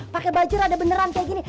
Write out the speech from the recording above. pakai baju rada beneran kayak gini